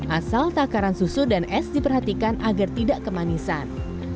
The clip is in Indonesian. asal takaran susu dan es diperhatikan agar tidak kemanisan